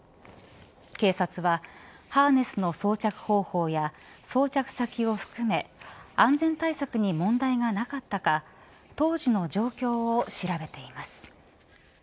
警察はハーネスの装着方法や装着先を含め安全対策に問題がなかったか当時の状況を調べています。